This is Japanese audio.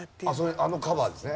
あのカバーですね？